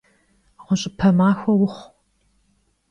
Ğuş'ıpe maxue vuxhu!